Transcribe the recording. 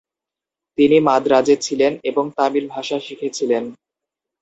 তিনি মাদ্রাজে ছিলেন এবং তামিল ভাষা শিখেছিলেন।